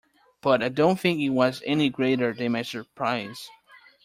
But I don't think it was any greater than my surprise.